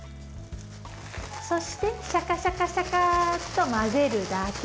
そしてシャカシャカシャカと混ぜるだけ。